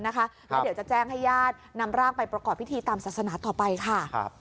แล้วเดี๋ยวจะแจ้งให้ญาตินำร่างไปประกอบพิธีตามศาสนาต่อไปค่ะ